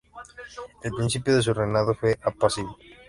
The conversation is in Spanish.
El principio de su reinado fue apacible.